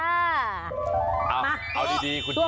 เอาดีคุณผู้ชาย